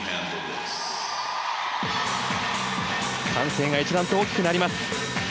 歓声が一段と大きくなります。